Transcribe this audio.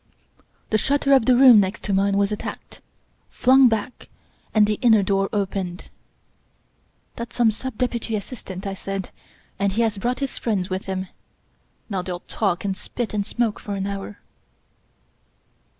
The shutter of the room next to mine was attacked, flung back, and the inner door opened. " That's some Sub Deputy Assistant, I said, " and he has brought his friends with him. Now they'll talk and spit and smoke for an hour."